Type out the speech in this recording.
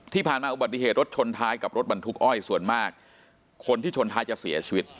อุบัติเหตุรถชนท้ายกับรถบรรทุกอ้อยส่วนมากคนที่ชนท้ายจะเสียชีวิต